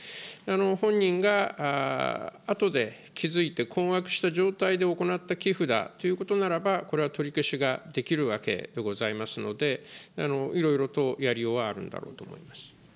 本人があとで気付いて困惑した状態で行った寄付だということならば、これは取り消しができるわけでございますので、いろいろとやりようはあるんだろうと思います。